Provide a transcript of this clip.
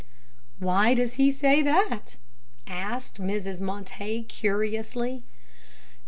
'" "Why does he say that?" asked Mrs. Montague, curiously.